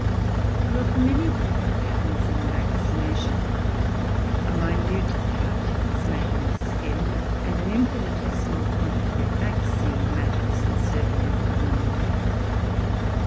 You are familiar with what happens in vaccination. A minute cut is made in the skin, and an infinitesimal quantity of vaccine matter is inserted into the wound.